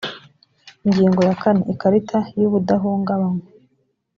ingingo ya kane ikarita y’ubudahungabanywa